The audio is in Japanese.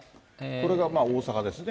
これが大阪ですね。